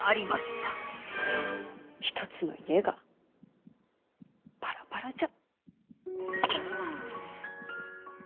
一つの家がバラバラじゃ。